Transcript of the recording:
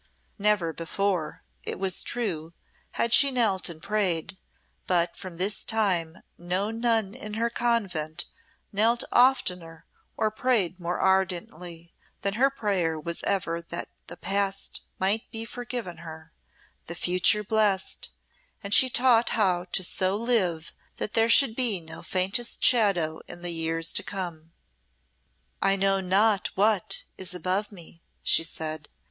Never before, it was true, had she knelt and prayed, but from this time no nun in her convent knelt oftener or prayed more ardently, and her prayer was ever that the past might be forgiven her, the future blessed, and she taught how to so live that there should be no faintest shadow in the years to come. "I know not What is above me," she said.